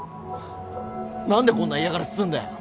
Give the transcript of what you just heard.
何でこんな嫌がらせすんだよ！